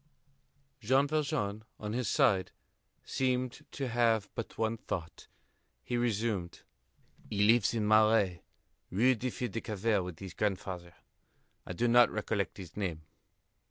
Jean Valjean, on his side, seemed to have but one thought. He resumed: "He lives in the Marais, Rue des Filles du Calvaire, with his grandfather. I do not recollect his name."